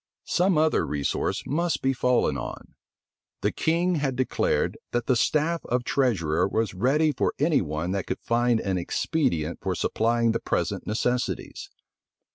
Some other resource must be fallen on. The king had declared, that the staff of treasurer was ready for any one that could find an expedient for supplying the present necessities.